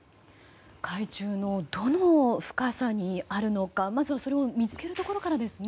海中のどの深さにあるのかまずは、それを見つけるところからですね。